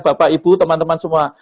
bapak ibu teman teman semua